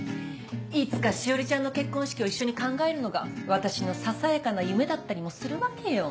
いつか志織ちゃんの結婚式を一緒に考えるのが私のささやかな夢だったりもするわけよ。